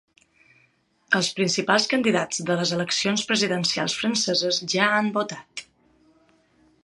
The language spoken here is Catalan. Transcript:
Els principals candidats de les eleccions presidencials franceses ja han votat.